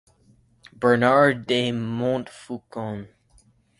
Bernard de Montfaucon.